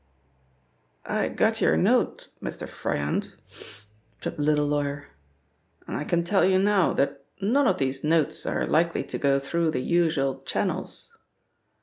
"I got your note, Mr. Froyant," said the little lawyer, "and I can tell you now that none of these notes are likely to go through the usual channels."